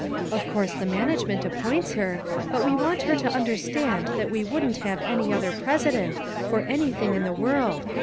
Of course the Management appoints her, but we want her to understand that we wouldn't have any other president for anything in the world.